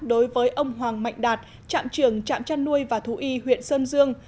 đối với ông hoàng mạnh đạt trạm trường trạm trăn nuôi và thú y huyện sơn dương